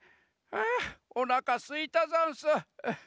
あおなかすいたざんす。